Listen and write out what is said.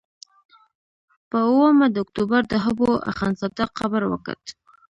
پر اوومه د اکتوبر د حبو اخندزاده قبر وکت.